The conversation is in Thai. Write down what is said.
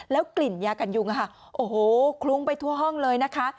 กลิ่นยากันยุงโอ้โหคลุ้งไปทั่วห้องเลยนะคะ